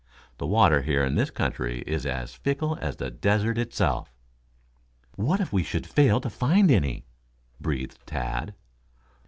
The water here in this country is as fickle as the desert itself." "What if we should fail to find any?" breathed Tad.